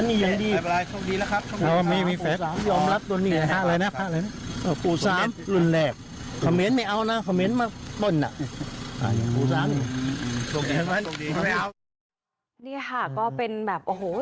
นี่ค่ะก็เป็นแบบโอ้โห